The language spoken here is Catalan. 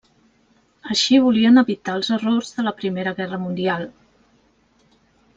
Així volien evitar els errors de la primera guerra mundial.